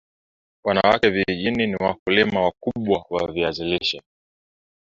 wanawake wa vijijini ni wakulima wa wakubwa wa viazi lishe